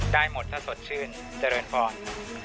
ได้หมดถ้าสดชื่นเจริญพร